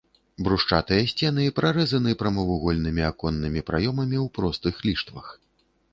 Брусчатыя сцены прарэзаны прамавугольнымі аконнымі праёмамі ў простых ліштвах.